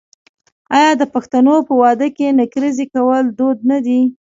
آیا د پښتنو په واده کې نکریزې کول دود نه دی؟